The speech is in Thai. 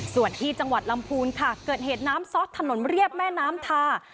ส่วนที่จังหวัดลำพูนค่ะเกิดเหตุน้ำซอสถนนเรียบแม่น้ำทา